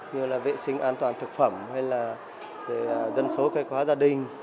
như là vệ sinh an toàn thực phẩm hay là dân số cây khóa gia đình